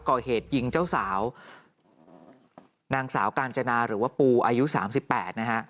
ก่อเหตุยิงเจ้าสาวนางสาวกาญจนาหรือว่าปูอายุสามสิบแปดนะฮะ